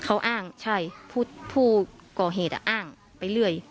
เขาอ้างใช่ผู้ก่อเหตุอ้างไปเรื่อย